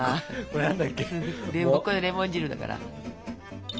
これレモン汁だから。